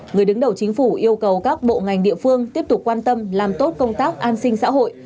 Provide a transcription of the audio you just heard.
người đứng đầu chính phủ yêu cầu các bộ ngành địa phương tiếp tục quan tâm làm tốt công tác an sinh xã hội